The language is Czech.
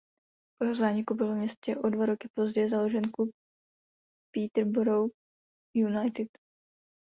Po jeho zániku byl ve městě o dva roky později založen klub Peterborough United.